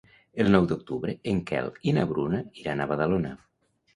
El nou d'octubre en Quel i na Bruna iran a Badalona.